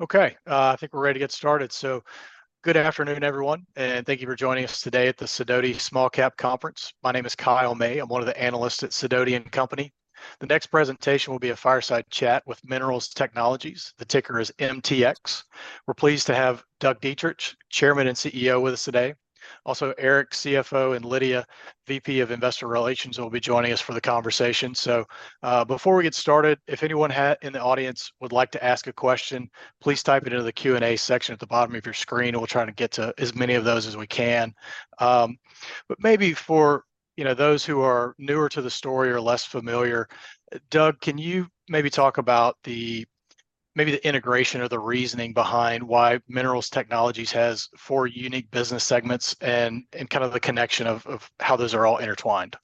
Okay, I think we're ready to get started. Good afternoon, everyone, and thank you for joining us today at the Sidoti Small Cap Conference. My name is Kyle May. I'm one of the analysts at Sidoti and Company. The next presentation will be a fireside chat with Minerals Technologies, the ticker is MTX. We're pleased to have Doug Dietrich, Chairman and CEO, with us today. Also, Erik, CFO, and Lydia, VP of Investor Relations, will be joining us for the conversation. Before we get started, if anyone in the audience would like to ask a question, please type it into the Q&A section at the bottom of your screen. We'll try to get to as many of those as we can. But maybe for those who are newer to the story or less familiar, Doug, can you maybe talk about maybe the integration or the reasoning behind why Minerals Technologies has four unique business segments and kind of the connection of how those are all intertwined?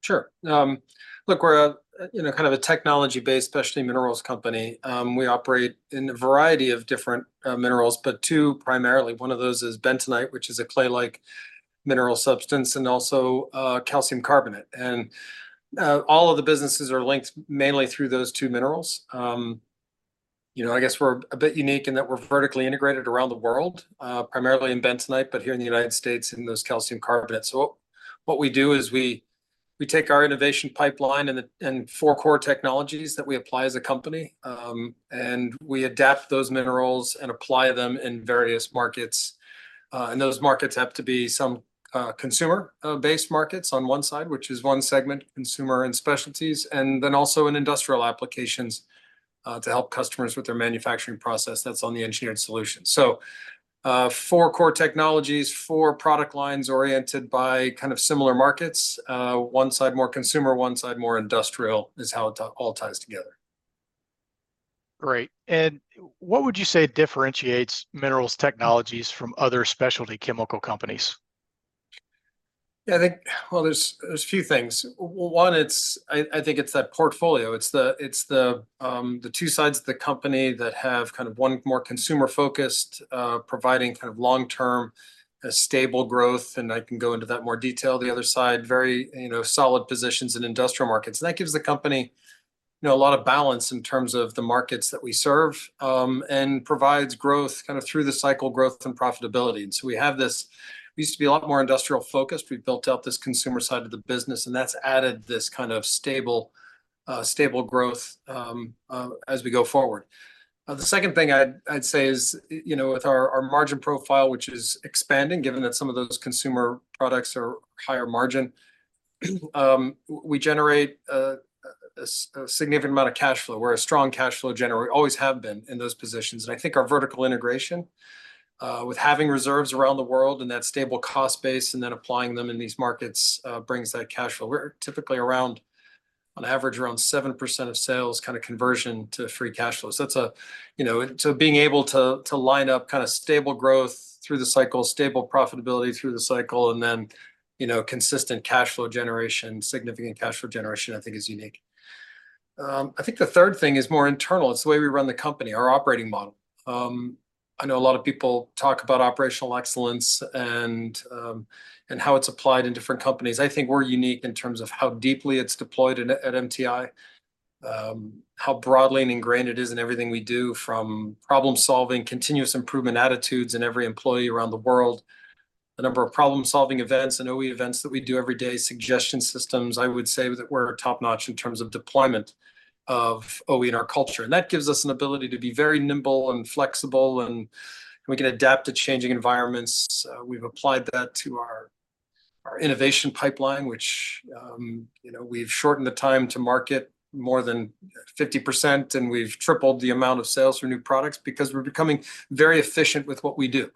Sure. Look, we're kind of a technology-based, especially minerals, company. We operate in a variety of different minerals, but two primarily. One of those is bentonite, which is a clay-like mineral substance, and also calcium carbonate. All of the businesses are linked mainly through those two minerals. I guess we're a bit unique in that we're vertically integrated around the world, primarily in bentonite, but here in the United States in those calcium carbonate. So what we do is we take our innovation pipeline and four core technologies that we apply as a company, and we adapt those minerals and apply them in various markets. Those markets have to be some consumer-based markets on one side, which is one segment, Consumer & Specialties, and then also in industrial applications to help customers with their manufacturing process. That's on the Engineered Solutions. Four core technologies, four product lines oriented by kind of similar markets. One side more consumer, one side more industrial is how it all ties together. Great. And what would you say differentiates Minerals Technologies from other specialty chemical companies? Yeah, I think, well, there's a few things. Well, one, I think it's that portfolio. It's the two sides of the company that have kind of one more consumer-focused, providing kind of long-term, stable growth, and I can go into that more detail, the other side, very solid positions in industrial markets. That gives the company a lot of balance in terms of the markets that we serve and provides growth kind of through the cycle growth and profitability. So we used to be a lot more industrial-focused. We built out this consumer side of the business, and that's added this kind of stable growth as we go forward. The second thing I'd say is with our margin profile, which is expanding, given that some of those consumer products are higher margin, we generate a significant amount of cash flow. We're a strong cash flow generator. We always have been in those positions. I think our vertical integration with having reserves around the world and that stable cost base and then applying them in these markets brings that cash flow. We're typically around, on average, around 7% of sales kind of conversion to free cash flow. Being able to line up kind of stable growth through the cycle, stable profitability through the cycle, and then consistent cash flow generation, significant cash flow generation, I think, is unique. I think the third thing is more internal. It's the way we run the company, our operating model. I know a lot of people talk about operational excellence and how it's applied in different companies. I think we're unique in terms of how deeply it's deployed at MTI, how broadly and ingrained it is in everything we do, from problem-solving, continuous improvement attitudes in every employee around the world, the number of problem-solving events and OE events that we do every day, suggestion systems. I would say that we're top-notch in terms of deployment of OE in our culture. And that gives us an ability to be very nimble and flexible, and we can adapt to changing environments. We've applied that to our innovation pipeline, which we've shortened the time to market more than 50%, and we've tripled the amount of sales for new products because we're becoming very efficient with what we do.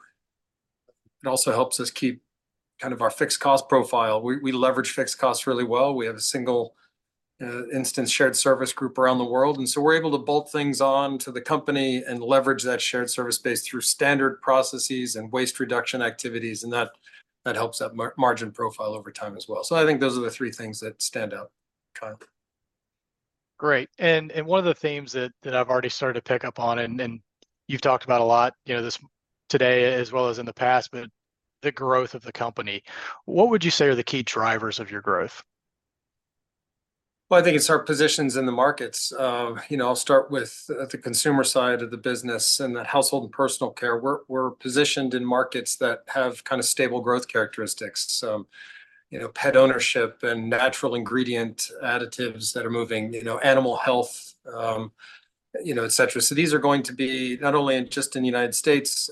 It also helps us keep kind of our fixed cost profile. We leverage fixed costs really well. We have a single instance shared service group around the world. And so we're able to bolt things on to the company and leverage that shared service base through standard processes and waste reduction activities. And that helps that margin profile over time as well. So I think those are the three things that stand out, Kyle. Great. One of the themes that I've already started to pick up on, and you've talked about a lot today as well as in the past, but the growth of the company, what would you say are the key drivers of your growth? Well, I think it's our positions in the markets. I'll start with the consumer side of the business and the household and personal care. We're positioned in markets that have kind of stable growth characteristics, pet ownership, and natural ingredient additives that are moving, animal health, etc. So these are going to be not only just in the United States,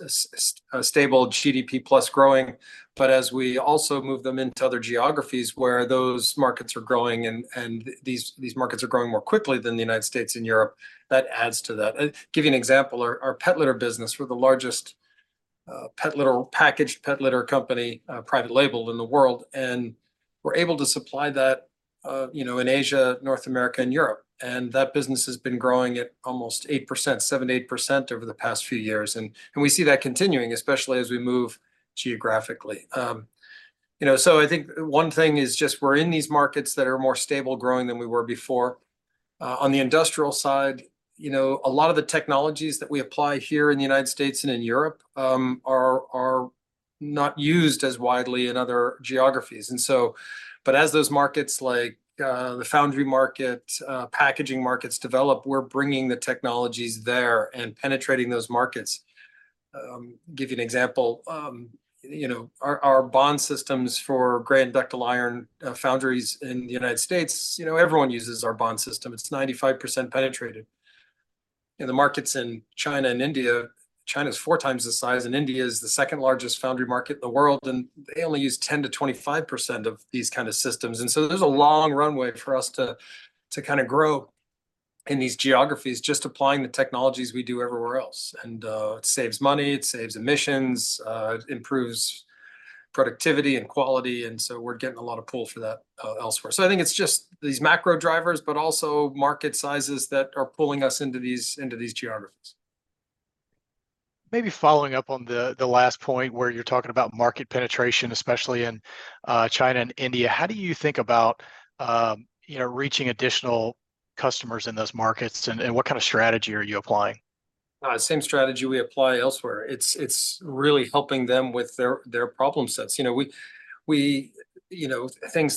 stable GDP-plus growing, but as we also move them into other geographies where those markets are growing and these markets are growing more quickly than the United States and Europe, that adds to that. Give you an example, our pet litter business. We're the largest packaged pet litter company, private label, in the world. And we're able to supply that in Asia, North America, and Europe. And that business has been growing at almost 8%, 7%-8% over the past few years. And we see that continuing, especially as we move geographically. So I think one thing is just we're in these markets that are more stable growing than we were before. On the industrial side, a lot of the technologies that we apply here in the United States and in Europe are not used as widely in other geographies. But as those markets like the foundry market, packaging markets develop, we're bringing the technologies there and penetrating those markets. Give you an example, our bond systems for gray and ductile iron foundries in the United States, everyone uses our bond system. It's 95% penetrated. The markets in China and India, China is four times the size, and India is the second largest foundry market in the world. And they only use 10%-25% of these kind of systems. There's a long runway for us to kind of grow in these geographies just applying the technologies we do everywhere else. It saves money. It saves emissions. It improves productivity and quality. We're getting a lot of pull for that elsewhere. I think it's just these macro drivers, but also market sizes that are pulling us into these geographies. Maybe following up on the last point where you're talking about market penetration, especially in China and India, how do you think about reaching additional customers in those markets, and what kind of strategy are you applying? Same strategy we apply elsewhere. It's really helping them with their problem sets. Things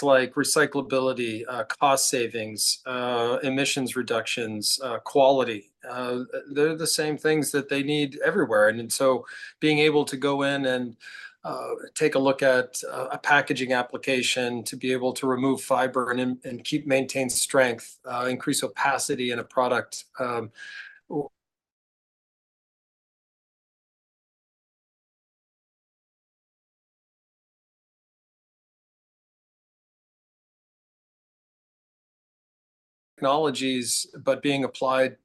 like recyclability, cost savings, emissions reductions, quality, they're the same things that they need everywhere. And so being able to go in and take a look at a packaging application to be able to remove fiber and maintain strength, increase opacity in a product. Technologies, but being applied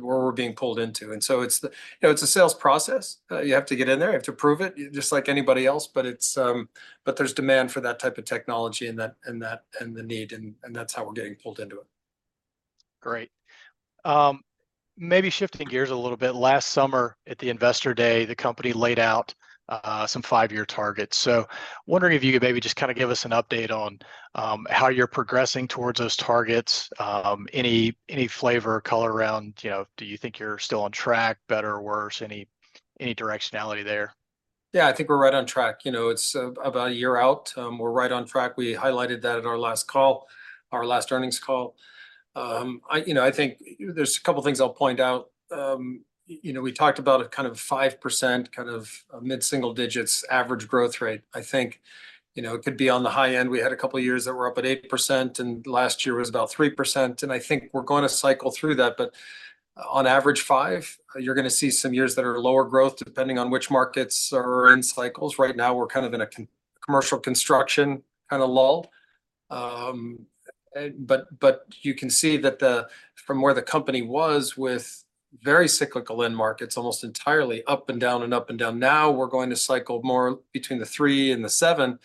where we're being pulled into. And so it's a sales process. You have to get in there. You have to prove it just like anybody else. But there's demand for that type of technology and the need, and that's how we're getting pulled into it. Great. Maybe shifting gears a little bit. Last summer at the Investor Day, the company laid out some five-year targets. So wondering if you could maybe just kind of give us an update on how you're progressing towards those targets, any flavor, color around, do you think you're still on track, better or worse, any directionality there? Yeah, I think we're right on track. It's about a year out. We're right on track. We highlighted that at our last call, our last earnings call. I think there's a couple of things I'll point out. We talked about a kind of 5% kind of mid-single digits average growth rate. I think it could be on the high end. We had a couple of years that were up at 8%, and last year was about 3%. And I think we're going to cycle through that. But on average, 5%. You're going to see some years that are lower growth depending on which markets are in cycles. Right now, we're kind of in a commercial construction kind of lull. But you can see that from where the company was with very cyclical end markets, almost entirely up and down and up and down, now we're going to cycle more between the 3% and the 7%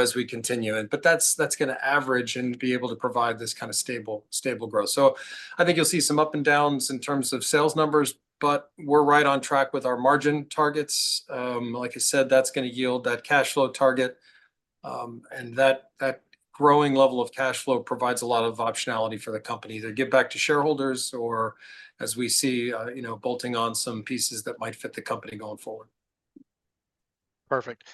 as we continue. But that's going to average and be able to provide this kind of stable growth. So I think you'll see some up and downs in terms of sales numbers, but we're right on track with our margin targets. Like I said, that's going to yield that cash flow target. And that growing level of cash flow provides a lot of optionality for the company, either get back to shareholders or, as we see, bolting on some pieces that might fit the company going forward. Perfect.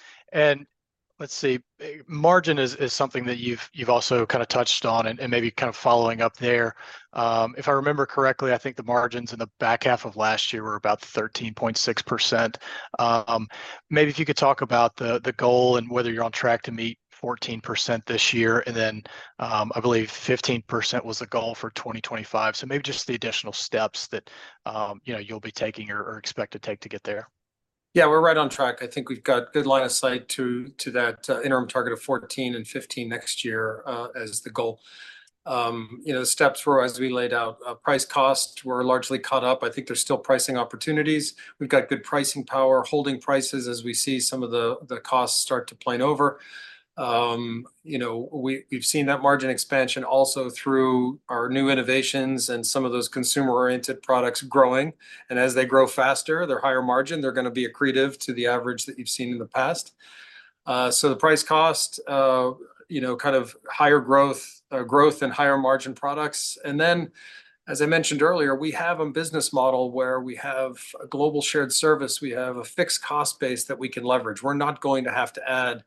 Let's see, margin is something that you've also kind of touched on. Maybe kind of following up there, if I remember correctly, I think the margins in the back half of last year were about 13.6%. Maybe if you could talk about the goal and whether you're on track to meet 14% this year, and then I believe 15% was the goal for 2025. Maybe just the additional steps that you'll be taking or expect to take to get there. Yeah, we're right on track. I think we've got a good line of sight to that interim target of 14% and 15% next year as the goal. The steps were, as we laid out, price-cost were largely caught up. I think there's still pricing opportunities. We've got good pricing power, holding prices as we see some of the costs start to plane over. We've seen that margin expansion also through our new innovations and some of those consumer-oriented products growing. And as they grow faster, their higher margin, they're going to be accretive to the average that you've seen in the past. So the price-cost, kind of higher growth and higher margin products. And then, as I mentioned earlier, we have a business model where we have a global shared service. We have a fixed cost base that we can leverage. We're not going to have to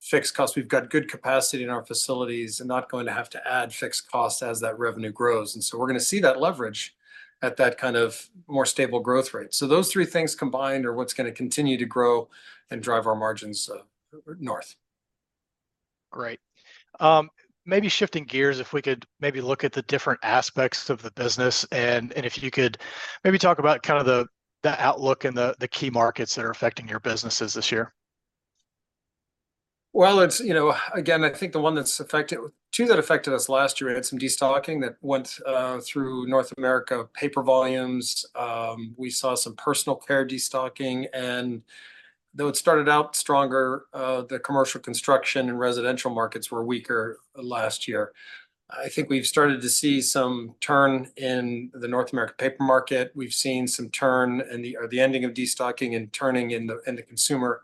add fixed costs. We've got good capacity in our facilities and not going to have to add fixed costs as that revenue grows. And so we're going to see that leverage at that kind of more stable growth rate. So those three things combined are what's going to continue to grow and drive our margins north. Great. Maybe shifting gears, if we could maybe look at the different aspects of the business and if you could maybe talk about kind of that outlook and the key markets that are affecting your businesses this year? Well, again, I think the one that's affected, too, that affected us last year, we had some destocking that went through North America, paper volumes. We saw some personal care destocking. Though it started out stronger, the commercial construction and residential markets were weaker last year. I think we've started to see some turn in the North American paper market. We've seen some turn or the ending of destocking and turning in the consumer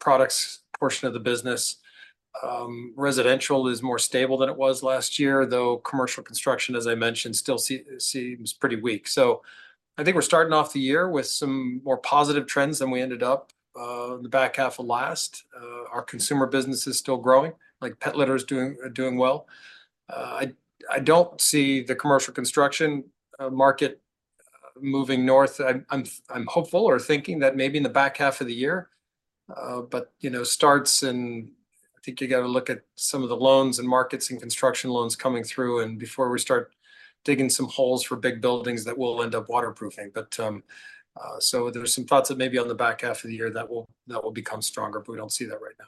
products portion of the business. Residential is more stable than it was last year, though commercial construction, as I mentioned, still seems pretty weak. So I think we're starting off the year with some more positive trends than we ended up in the back half of last. Our consumer business is still growing, like pet litter is doing well. I don't see the commercial construction market moving north. I'm hopeful or thinking that maybe in the back half of the year, but starts in, I think. You got to look at some of the loans and markets and construction loans coming through before we start digging some holes for big buildings that will end up waterproofing. So there's some thoughts that maybe on the back half of the year that will become stronger, but we don't see that right now.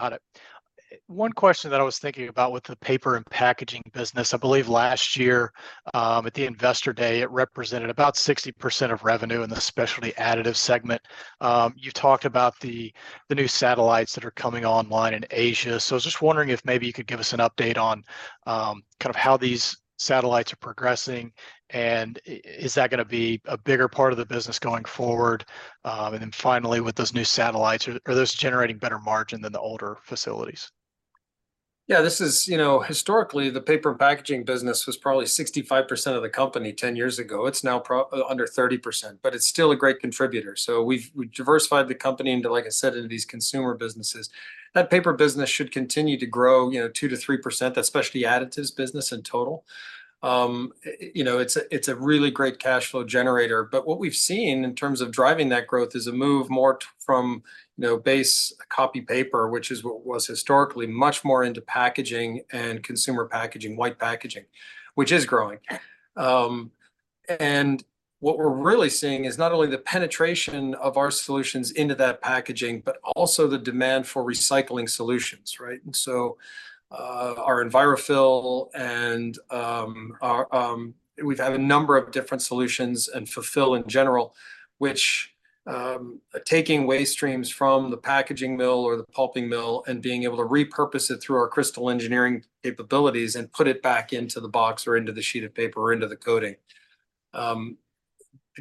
Got it. One question that I was thinking about with the paper and packaging business, I believe last year at the Investor Day, it represented about 60% of revenue in the specialty additive segment. You've talked about the new satellites that are coming online in Asia. So I was just wondering if maybe you could give us an update on kind of how these satellites are progressing. And is that going to be a bigger part of the business going forward? And then finally, with those new satellites, are those generating better margin than the older facilities? Yeah, historically, the paper and packaging business was probably 65% of the company 10 years ago. It's now under 30%, but it's still a great contributor. So we've diversified the company into, like I said, into these consumer businesses. That paper business should continue to grow 2%-3%, that Specialty Additives business in total. It's a really great cash flow generator. But what we've seen in terms of driving that growth is a move more from base copy paper, which is what was historically, much more into packaging and consumer packaging, white packaging, which is growing. And what we're really seeing is not only the penetration of our solutions into that packaging, but also the demand for recycling solutions, right? So our Envirofill, and we've had a number of different solutions and Fulfill in general, which are taking waste streams from the packaging mill or the pulping mill and being able to repurpose it through our Crystal engineering capabilities and put it back into the box or into the sheet of paper or into the coating.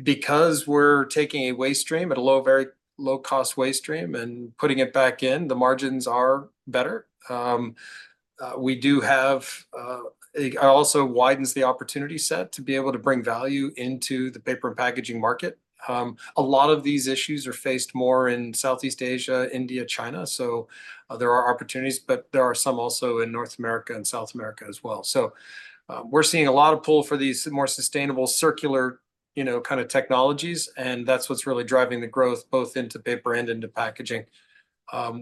Because we're taking a waste stream at a low, very low-cost waste stream and putting it back in, the margins are better. We do have it also widens the opportunity set to be able to bring value into the paper and packaging market. A lot of these issues are faced more in Southeast Asia, India, China. There are opportunities, but there are some also in North America and South America as well. We're seeing a lot of pull for these more sustainable, circular kind of technologies. That's what's really driving the growth both into paper and into packaging.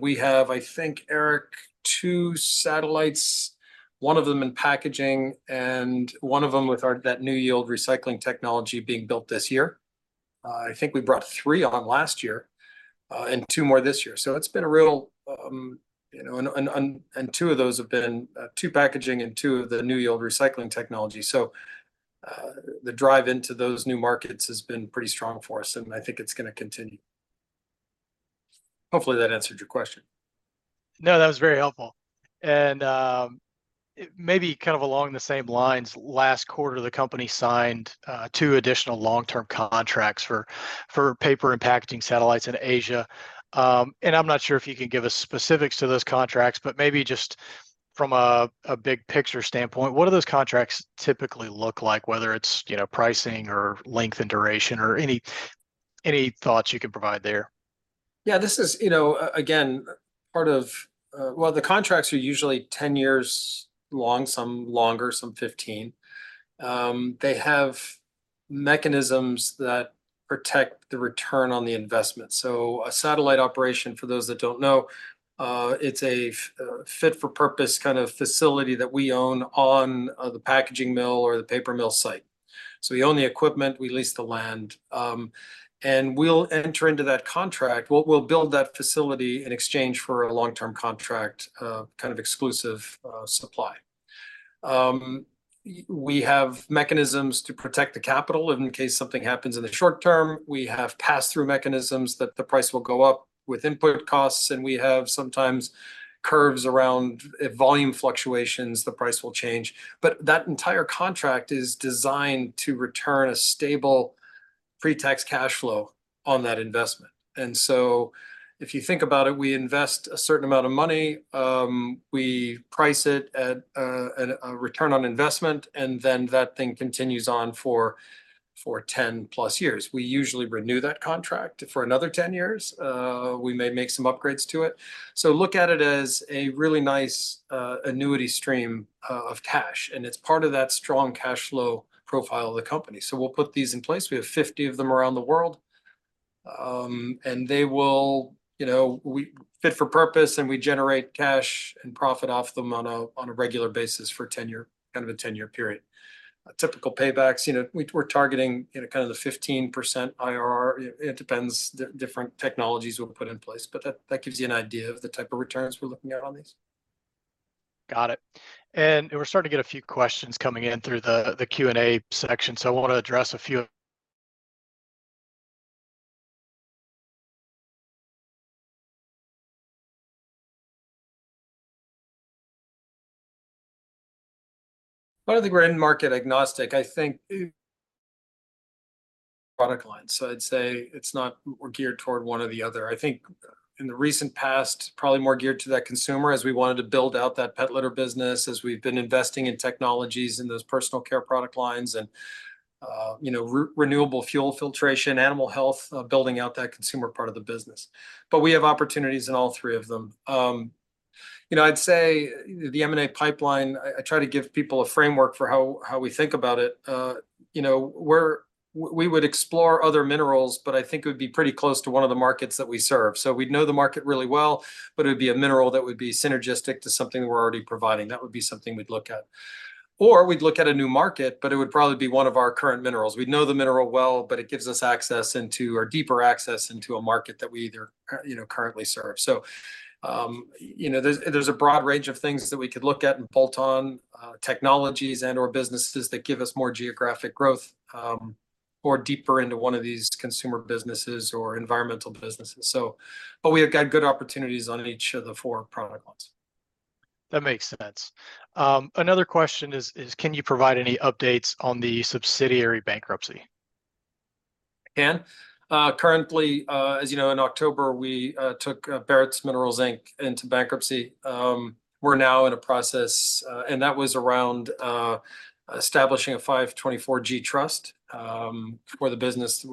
We have, I think, Erik, two satellites, one of them in packaging and one of them with that new yield recycling technology being built this year. I think we brought three on last year and two more this year. So it's been a real and two of those have been two packaging and two of the new yield recycling technology. So the drive into those new markets has been pretty strong for us, and I think it's going to continue. Hopefully, that answered your question. No, that was very helpful. And maybe kind of along the same lines, last quarter, the company signed two additional long-term contracts for paper and packaging satellites in Asia. And I'm not sure if you can give us specifics to those contracts, but maybe just from a big picture standpoint, what do those contracts typically look like, whether it's pricing or length and duration or any thoughts you can provide there? Yeah, this is, again, part of, well, the contracts are usually 10 years long, some longer, some 15. They have mechanisms that protect the return on the investment. So a satellite operation, for those that don't know, it's a fit-for-purpose kind of facility that we own on the packaging mill or the paper mill site. So we own the equipment. We lease the land. And we'll enter into that contract. We'll build that facility in exchange for a long-term contract kind of exclusive supply. We have mechanisms to protect the capital in case something happens in the short term. We have pass-through mechanisms that the price will go up with input costs. And we have sometimes curves around volume fluctuations. The price will change. But that entire contract is designed to return a stable pre-tax cash flow on that investment. And so if you think about it, we invest a certain amount of money. We price it at a return on investment, and then that thing continues on for 10+ years. We usually renew that contract for another 10 years. We may make some upgrades to it. Look at it as a really nice annuity stream of cash. It's part of that strong cash flow profile of the company. We'll put these in place. We have 50 of them around the world. They will fit for purpose, and we generate cash and profit off them on a regular basis for kind of a 10-year period. Typical paybacks, we're targeting kind of the 15% IRR. It depends. Different technologies we'll put in place. But that gives you an idea of the type of returns we're looking at on these. Got it. We're starting to get a few questions coming in through the Q&A section. I want to address a few. One of the grand market agnostic, I think, product lines. So I'd say it's not we're geared toward one or the other. I think in the recent past, probably more geared to that consumer as we wanted to build out that pet litter business, as we've been investing in technologies in those personal care product lines and renewable fuel filtration, animal health, building out that consumer part of the business. But we have opportunities in all three of them. I'd say the M&A pipeline, I try to give people a framework for how we think about it. We would explore other minerals, but I think it would be pretty close to one of the markets that we serve. So we'd know the market really well, but it would be a mineral that would be synergistic to something that we're already providing. That would be something we'd look at. Or we'd look at a new market, but it would probably be one of our current minerals. We'd know the mineral well, but it gives us access into or deeper access into a market that we either currently serve. So there's a broad range of things that we could look at and bolt on, technologies and/or businesses that give us more geographic growth or deeper into one of these consumer businesses or environmental businesses. But we have got good opportunities on each of the four product lines. That makes sense. Another question is, can you provide any updates on the subsidiary bankruptcy? Currently, as you know, in October, we took Barrett's Minerals, Inc., into bankruptcy. We're now in a process, and that was around establishing a 524(g) trust for the business,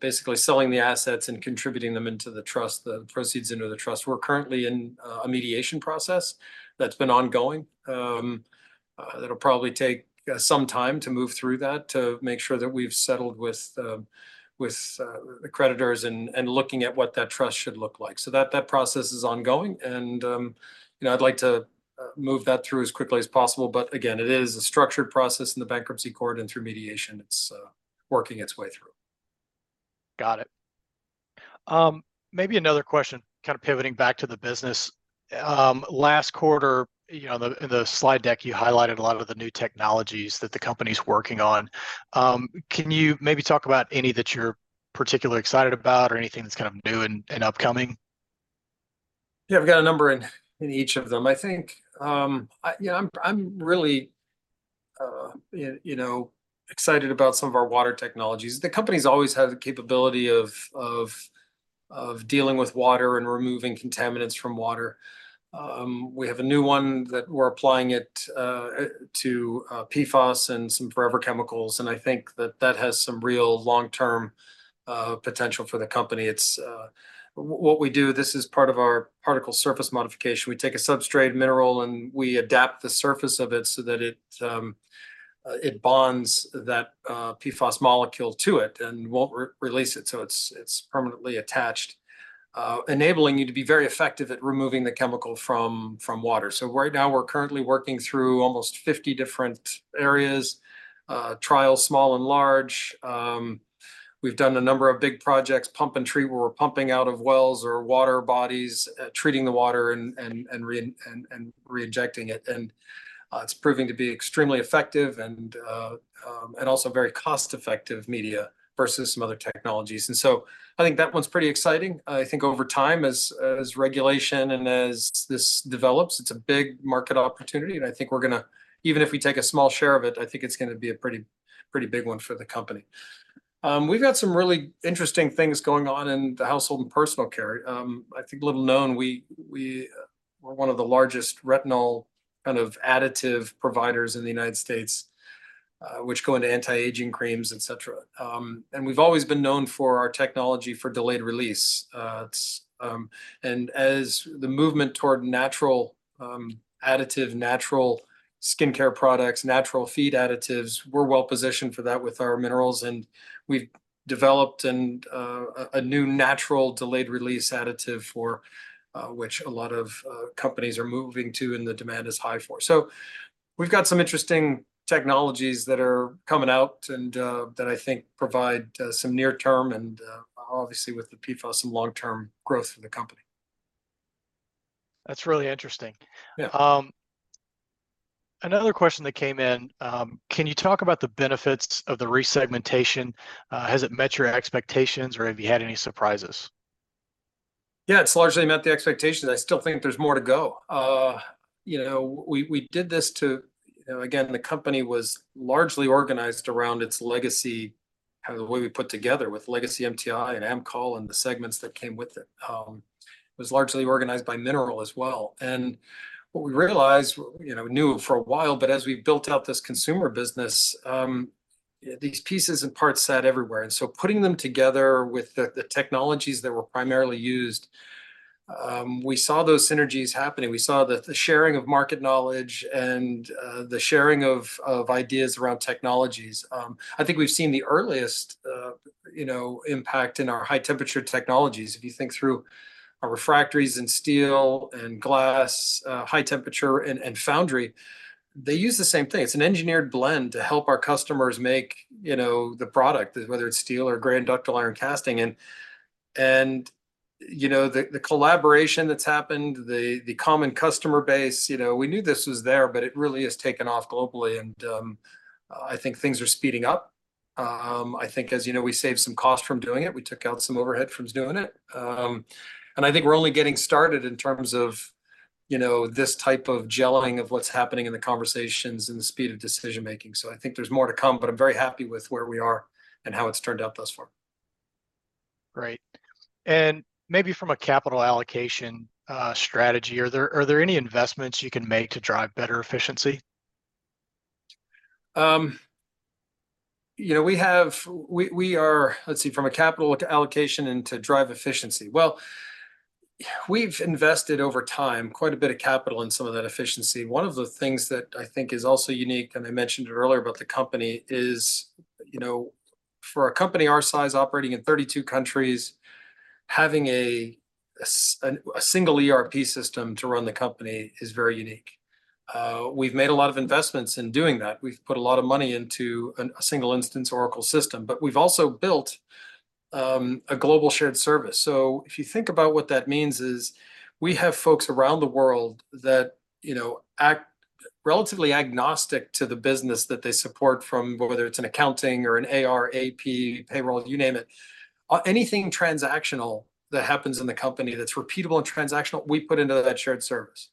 basically selling the assets and contributing them into the trust, the proceeds into the trust. We're currently in a mediation process that's been ongoing. That'll probably take some time to move through that to make sure that we've settled with the creditors and looking at what that trust should look like. So that process is ongoing. And I'd like to move that through as quickly as possible. But again, it is a structured process in the bankruptcy court, and through mediation, it's working its way through. Got it. Maybe another question, kind of pivoting back to the business. Last quarter, in the slide deck, you highlighted a lot of the new technologies that the company's working on. Can you maybe talk about any that you're particularly excited about or anything that's kind of new and upcoming? Yeah, we've got a number in each of them. I think I'm really excited about some of our water technologies. The company's always had the capability of dealing with water and removing contaminants from water. We have a new one that we're applying it to PFAS and some forever chemicals. And I think that that has some real long-term potential for the company. What we do, this is part of our particle surface modification. We take a substrate mineral, and we adapt the surface of it so that it bonds that PFAS molecule to it and won't release it. So it's permanently attached, enabling you to be very effective at removing the chemical from water. So right now, we're currently working through almost 50 different areas, trials, small and large. We've done a number of big projects, pump and treat, where we're pumping out of wells or water bodies, treating the water and reinjecting it. It's proving to be extremely effective and also very cost-effective media versus some other technologies. So I think that one's pretty exciting. I think over time, as regulation and as this develops, it's a big market opportunity. I think we're going to even if we take a small share of it, I think it's going to be a pretty big one for the company. We've got some really interesting things going on in the household and personal care. I think little known, we're one of the largest retinol kind of additive providers in the United States, which go into anti-aging creams, etc. We've always been known for our technology for delayed release. As the movement toward natural additive, natural skincare products, natural feed additives, we're well positioned for that with our minerals. We've developed a new natural delayed release additive for which a lot of companies are moving to, and the demand is high for. We've got some interesting technologies that are coming out and that I think provide some near-term and obviously, with the PFAS, some long-term growth for the company. That's really interesting. Another question that came in, can you talk about the benefits of the resegmentation? Has it met your expectations, or have you had any surprises? Yeah, it's largely met the expectations. I still think there's more to go. We did this to again, the company was largely organized around its legacy, kind of the way we put together with Legacy MTI and AMCOL and the segments that came with it. It was largely organized by mineral as well. And what we realized, we knew for a while, but as we built out this consumer business, these pieces and parts sat everywhere. And so putting them together with the technologies that were primarily used, we saw those synergies happening. We saw the sharing of market knowledge and the sharing of ideas around technologies. I think we've seen the earliest impact in our High-Temperature Technologies. If you think through our refractories and steel and glass, high-temperature and foundry, they use the same thing. It's an engineered blend to help our customers make the product, whether it's steel or gray and ductile iron casting. The collaboration that's happened, the common customer base, we knew this was there, but it really has taken off globally. I think things are speeding up. I think, as you know, we saved some cost from doing it. We took out some overhead from doing it. I think we're only getting started in terms of this type of gelling of what's happening in the conversations and the speed of decision-making. So I think there's more to come, but I'm very happy with where we are and how it's turned out thus far. Great. Maybe from a capital allocation strategy, are there any investments you can make to drive better efficiency? We are, let's see, from a capital allocation and to drive efficiency. Well, we've invested over time quite a bit of capital in some of that efficiency. One of the things that I think is also unique, and I mentioned it earlier about the company, is for a company our size operating in 32 countries, having a single ERP system to run the company is very unique. We've made a lot of investments in doing that. We've put a lot of money into a single instance Oracle system. But we've also built a global shared service. So if you think about what that means, is we have folks around the world that act relatively agnostic to the business that they support from whether it's an accounting or an AR, AP, payroll, you name it, anything transactional that happens in the company that's repeatable and transactional, we put into that shared service.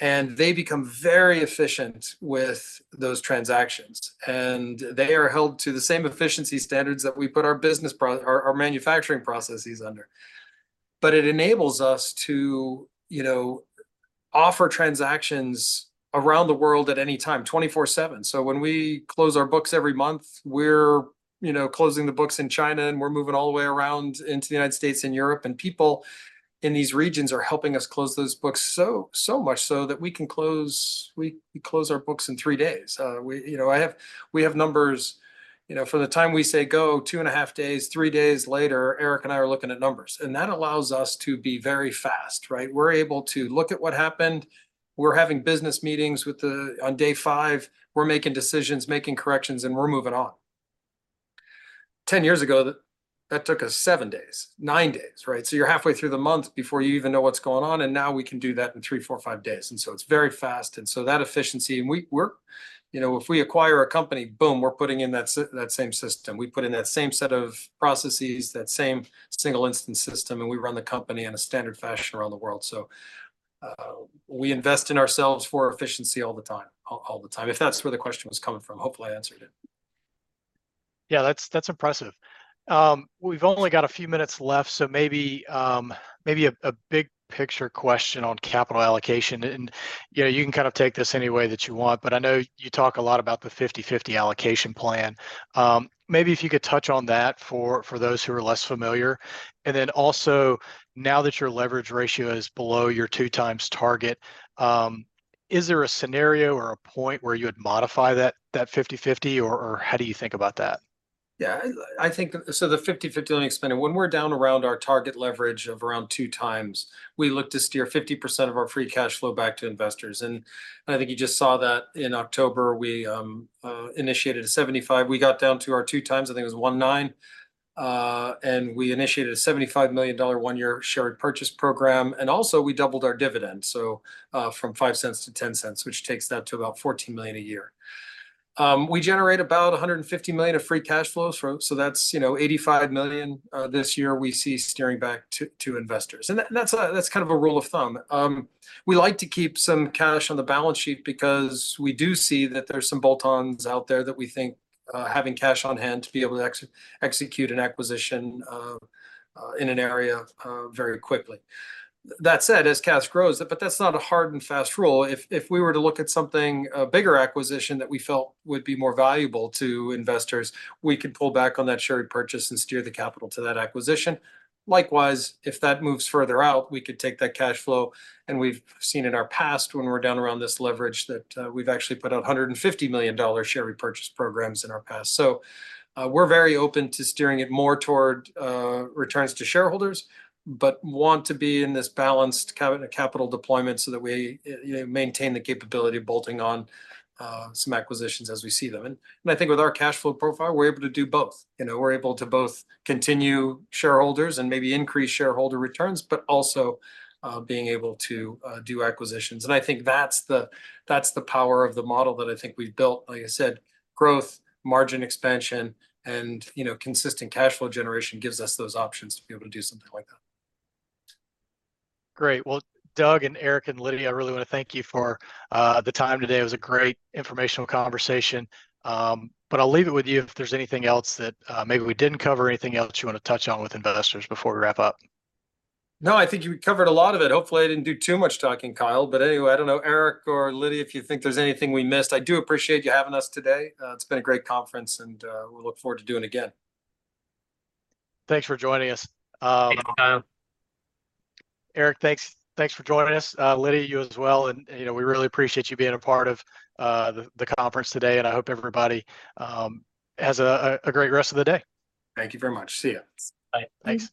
They become very efficient with those transactions. They are held to the same efficiency standards that we put our manufacturing processes under. But it enables us to offer transactions around the world at any time, 24/7. So when we close our books every month, we're closing the books in China, and we're moving all the way around into the United States and Europe. People in these regions are helping us close those books so much so that we can close our books in three days. We have numbers. From the time we say go, 2.5 days, three days later, Erik and I are looking at numbers. And that allows us to be very fast, right? We're able to look at what happened. We're having business meetings on day five. We're making decisions, making corrections, and we're moving on. 10 years ago, that took us seven days, nine days, right? So you're halfway through the month before you even know what's going on. And now we can do that in three, four, five days. And so it's very fast. And so that efficiency, and if we acquire a company, boom, we're putting in that same system. We put in that same set of processes, that same single instance system, and we run the company in a standard fashion around the world. We invest in ourselves for efficiency all the time, all the time, if that's where the question was coming from. Hopefully, I answered it. Yeah, that's impressive. We've only got a few minutes left. So maybe a big picture question on capital allocation. And you can kind of take this any way that you want. But I know you talk a lot about the 50/50 allocation plan. Maybe if you could touch on that for those who are less familiar. And then also, now that your leverage ratio is below your 2x target, is there a scenario or a point where you would modify that 50/50, or how do you think about that? Yeah, I think so the 50/50 only expanded. When we're down around our target leverage of around 2x, we look to steer 50% of our free cash flow back to investors. And I think you just saw that in October. We initiated a $75. We got down to our 2x. I think it was 1.9. And we initiated a $75 million one-year share purchase program. And also, we doubled our dividend, so from five cents to 10 cents, which takes that to about $14 million a year. We generate about $150 million of free cash flows. So that's $85 million this year we see steering back to investors. And that's kind of a rule of thumb. We like to keep some cash on the balance sheet because we do see that there's some bolt-ons out there that we think having cash on hand to be able to execute an acquisition in an area very quickly. That said, as cash grows, but that's not a hard and fast rule. If we were to look at something, a bigger acquisition that we felt would be more valuable to investors, we could pull back on that share purchase and steer the capital to that acquisition. Likewise, if that moves further out, we could take that cash flow. And we've seen in our past when we're down around this leverage that we've actually put out $150 million share repurchase programs in our past. So we're very open to steering it more toward returns to shareholders, but want to be in this balanced capital deployment so that we maintain the capability of bolting on some acquisitions as we see them. I think with our cash flow profile, we're able to do both. We're able to both continue shareholders and maybe increase shareholder returns, but also being able to do acquisitions. I think that's the power of the model that I think we've built. Like I said, growth, margin expansion, and consistent cash flow generation gives us those options to be able to do something like that. Great. Well, Doug and Erik and Lydia, I really want to thank you for the time today. It was a great informational conversation. But I'll leave it with you if there's anything else that maybe we didn't cover, anything else you want to touch on with investors before we wrap up. No, I think you covered a lot of it. Hopefully, I didn't do too much talking, Kyle. But anyway, I don't know, Erik or Lydia, if you think there's anything we missed. I do appreciate you having us today. It's been a great conference, and we look forward to doing again. Thanks for joining us. Thank you, Kyle. Erik, thanks for joining us. Lydia, you as well. We really appreciate you being a part of the conference today. I hope everybody has a great rest of the day. Thank you very much. See you. Bye. Thanks.